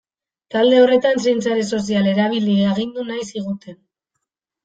Talde horretan zein sare sozial erabili agindu nahi ziguten.